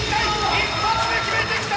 一発で決めてきた！